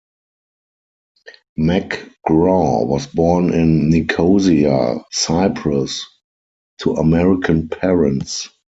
McGraw was born in Nicosia, Cyprus, to American parents.